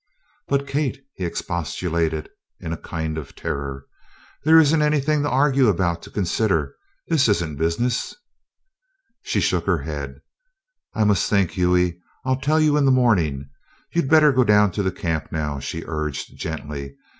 "But, Kate!" he expostulated in a kind of terror. "There isn't anything to argue about to consider. This isn't business." She shook her head. "I must think, Hughie. I'll tell you in the morning. You'd better go down to camp now," she urged gently.